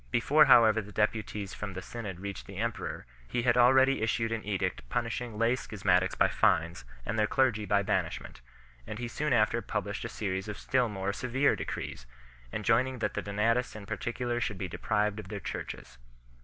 Before however the deputies from the Synod reached the emperor, he had already issued an edict punishing lay schismatics by fines and their clergy by banishment ; and he soon after published a series of still more severe decrees 3 , enjoining that the Donatists in particular should be deprived of their churches.